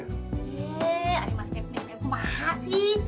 eh ada mas kevin yang kemasan sih